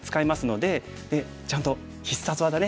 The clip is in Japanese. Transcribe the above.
でちゃんと必殺技ね。